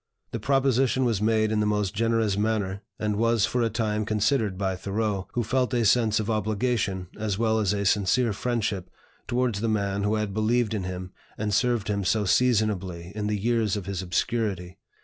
The proposition was made in the most generous manner, and was for a time considered by Thoreau, who felt a sense of obligation as well as a sincere friendship towards the man who had believed in him and served him so seasonably in the years of his obscurity.